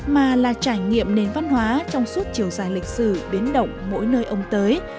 mà là trải nghiệm nền văn hóa trong suốt chiều dài lịch sử biến động mỗi nơi ông tới